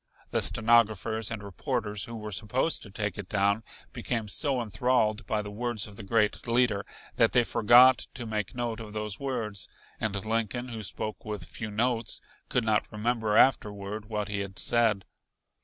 The stenographers and reporters who were supposed to take it down became so enthralled by the words of the great leader that they forgot to make note of those words, and Lincoln, who spoke with few notes, could not remember afterward what he had said.